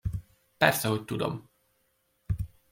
Persze, hogy tudom!